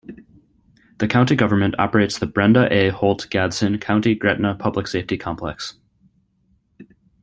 The county government operates the Brenda A. Holt Gadsden County Gretna Public Safety Complex.